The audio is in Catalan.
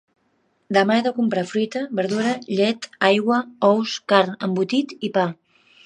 Demà he de comprar fruita, verdura, llet, aigua, ous, carn, embotit i pa.